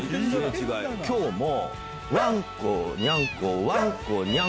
今日も。